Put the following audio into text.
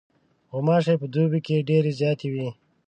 غوماشې په دوبي کې ډېرې زیاتې وي.